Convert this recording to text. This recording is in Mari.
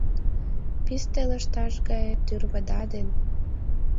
Писте лышташ гае тӱрвыда ден